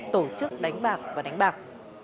tổ chức đánh bạc và đánh bạc